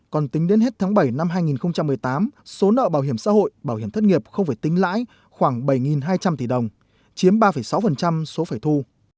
còn tính đến hết tháng bảy năm hai nghìn một mươi tám số nợ bảo hiểm xã hội bảo hiểm thất nghiệp không phải tính lãi khoảng bảy hai trăm linh tỷ đồng chiếm ba sáu số phải thu